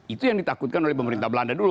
itu yang ditakutkan oleh pemerintah belanda dulu